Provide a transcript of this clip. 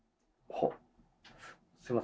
すみません